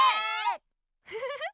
フフフッ